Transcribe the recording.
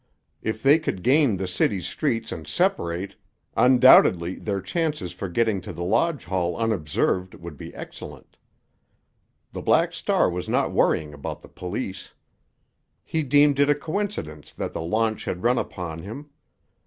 If they could gain the city's streets and separate, undoubtedly their chances for getting to the lodge hall unobserved would be excellent. The Black Star was not worrying about the police. He deemed it a coincidence that the launch had run upon him.